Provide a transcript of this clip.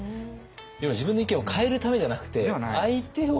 要は自分の意見を変えるためじゃなくて相手を。